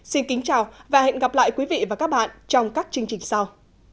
xin kính chào và hẹn gặp lại quý vị và các bạn trong các chương trình sau